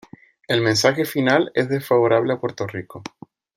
El mensaje final es desfavorable a Puerto Rico.